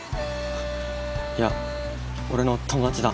いや俺の友達だ。